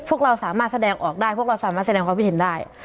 พวกเราสามารถแสดงออกได้พวกเราสามารถแสดงความคิดเห็นได้